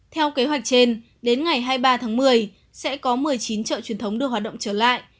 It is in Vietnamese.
theo kế hoạch trên đến ngày hai mươi ba tháng một mươi sẽ có một mươi chín chợ truyền thống đưa hoạt động trở lại